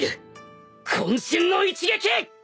渾身の一撃！！